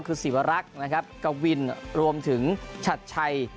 คือศิวรักษ์นะครับกวินรวมถึงชัดชัย